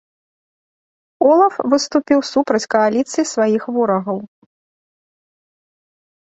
Олаф выступіў супраць кааліцыі сваіх ворагаў.